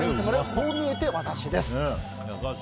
こう見えてワタシです。